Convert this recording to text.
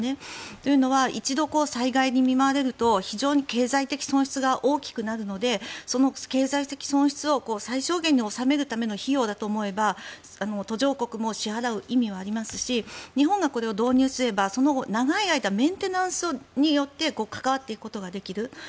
というのは一度、災害に見舞われると非常に経済的損失が大きくなるのでその経済的損失を最小限に抑えるための費用だと思えば途上国も支払う意味はありますし日本がこれを導入すればその後長い間メンテナンスによって関わっていくことができる。